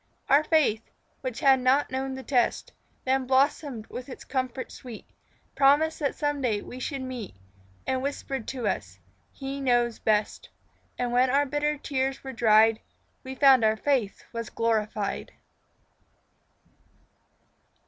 Our faith, which had not known the test, Then blossomed with its comfort sweet, Promised that some day we should meet And whispered to us: "He knows best." And when our bitter tears were dried, We found our faith was glorified.